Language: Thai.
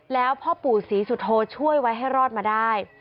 แล้วพ่อปู่ศรีสุโธช่วยไว้ให้รอดมาได้